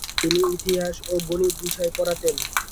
তিনি ইতিহাস ও গণিত বিষয় পড়াতেন।